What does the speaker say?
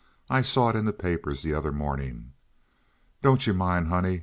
I saw it in the papers the other morning. Don't you mind, honey.